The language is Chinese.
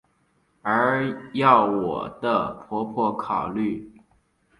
而要我的婆婆考虑！